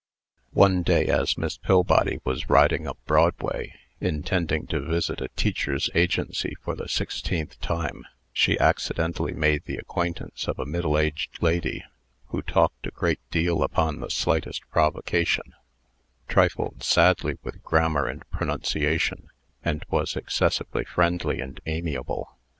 One day, as Miss Pillbody was riding up Broadway, in tending to visit a Teachers' Agency for the sixteenth time, she accidentally made the acquaintance of a middle aged lady, who talked a great deal upon the slightest provocation, trifled sadly with grammar and pronunciation, and was excessively friendly and amiable.